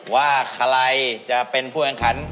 ว่าใครจะเป็นผู้แข่งขัน